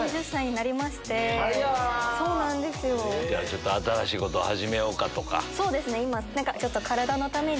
ちょっと新しいこと始めようか！とか。